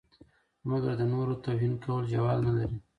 مګر د نورو توهین کول جواز نه لري.